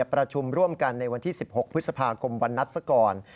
ประชุมร่วมกันในวันที่๑๖พฤษภาคมวันนัดซะก่อน